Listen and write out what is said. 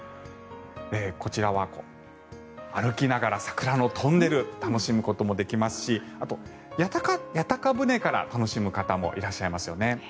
こちらは歩きながら桜のトンネルを楽しむこともできますしあと屋形船から楽しむ方もいますよね。